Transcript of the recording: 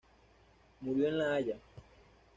Murió en La Haya.